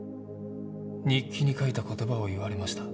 日記に書いた言葉を言われました。